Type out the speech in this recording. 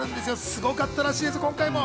すごかったらしいです、今回も。